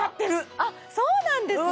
あそうなんですね！